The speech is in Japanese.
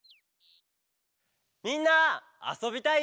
「みんなあそびたい？」